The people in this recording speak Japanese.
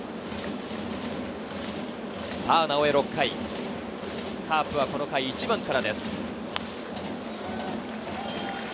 直江は６回、カープはこの回、１番からです。